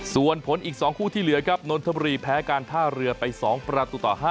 ส่วนผลอีก๒คู่ที่เหลือครับนนทบุรีแพ้การท่าเรือไป๒ประตูต่อ๕